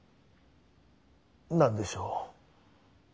何でしょう？